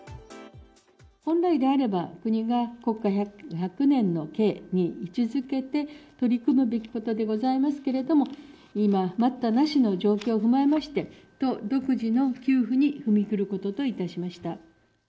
本来であれば、国が国家百年の計に位置づけて取り組むべきことでございますけれども、今、待ったなしの状況を踏まえまして、都独自の給付に踏み切ることといたしました。